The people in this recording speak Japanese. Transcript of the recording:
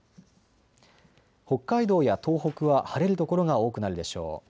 北海道や東北は晴れる所が多くなるでしょう。